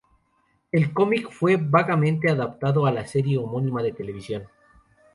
El cómic fue vagamente adaptado a la serie homónima de televisión.